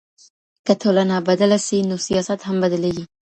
که ټولنه بدله سي نو سياست هم بدلېږي.